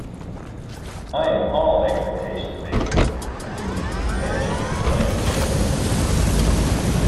"I am all expectation, Basil," continued his companion, glancing at him.